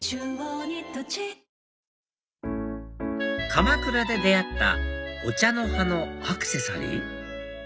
鎌倉で出会ったお茶の葉のアクセサリー